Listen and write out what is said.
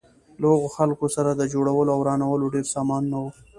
له هغو خلکو سره د جوړولو او ورانولو ډېر سامانونه وو.